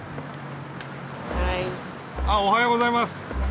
あおはようございます。